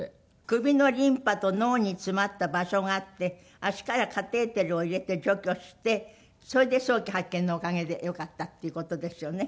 首のリンパと脳に詰まった場所があって足からカテーテルを入れて除去してそれで早期発見のおかげでよかったっていう事ですよね。